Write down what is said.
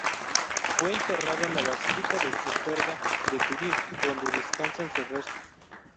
Fue enterrado en la Basílica de Superga, de Turín, donde descansan sus restos.